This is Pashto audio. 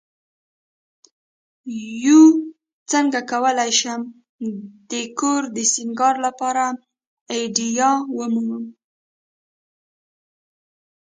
uڅنګه کولی شم د کور د سینګار لپاره آئیډیا ومومم